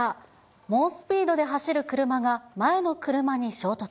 猛スピードで走る車が前の車に衝突。